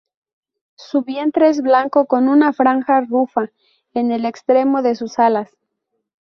Su vientre es blanco con una franja rufa en el extremo de sus alas.